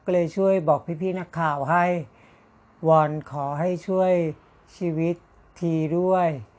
ก็เลยช่วยบอกพี่นักข่าวให้วอนขอให้ช่วยชีวิตทีด้วย